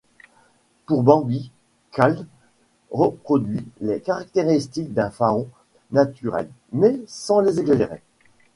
Pour Bambi, Kahl reproduit les caractéristiques du faon naturel mais sans les exagérer.